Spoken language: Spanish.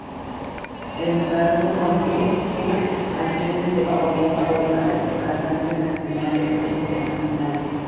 El álbum contiene su s canciones de pop favoritas de cantantes nacionales e internacionales.